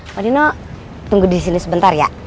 pak nino tunggu disini sebentar ya